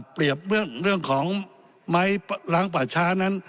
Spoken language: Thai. เปรียบเรื่องของไม้ล้างประชานั้น